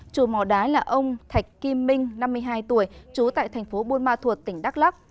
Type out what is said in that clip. chùa mỏ đá là ông thạch kim minh năm mươi hai tuổi trú tại thành phố bôn ma thuộc tỉnh đắk lắk